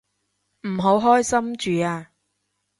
唔好開心住啊